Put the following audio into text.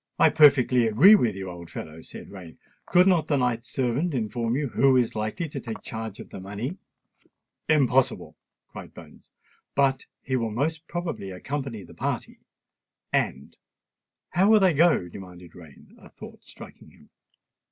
"I perfectly agree with you, old fellow," said Rain. "Could not the knight's servant inform you who is likely to take charge of the money?" "Impossible!" cried Bones. "He will most probably accompany the party; and——" "How will they go?" demanded Rain, a thought striking him.